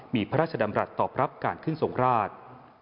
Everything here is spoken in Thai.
มีพระราชดำรัฐตอบรับการขึ้นทรงราช